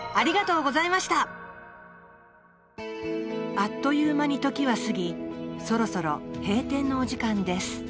あっという間に時は過ぎそろそろ閉店のお時間です